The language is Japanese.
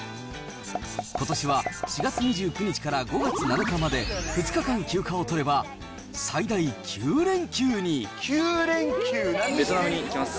ことしは４月２９日から５月７日まで２日間休暇を取れば、最大９ベトナムに行きます。